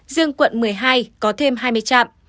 riêng quận một mươi hai có thêm hai mươi trạm